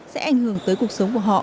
sẽ ảnh hưởng tới cuộc sống của họ